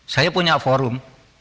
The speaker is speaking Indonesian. saya punya forum